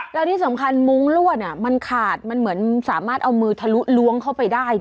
แล้วที่สำคัญมุ้งลวดมันขาดมันเหมือนสามารถเอามือทะลุล้วงเข้าไปได้